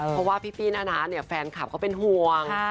เพราะว่าปีปี้นานาเนี่ยแฟนคับก็เป็นห่วง